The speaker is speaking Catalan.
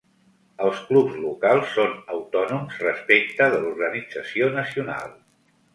Els clubs locals són autònoms respecte de l'organització nacional.